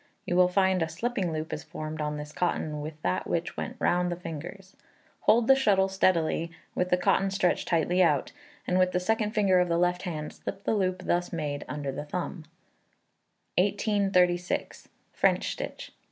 You will find a slipping loop is formed on this cotton with that which went round the fingers. Hold the shuttle steadily, with the cotton stretched tightly out, and with the second finger of the left hand slip the loop thus made under the thumb. 1836. French Stitch.